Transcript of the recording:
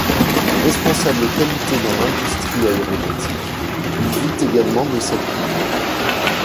Responsable qualité dans l'industrie aéronautique, il vit également de sa plume.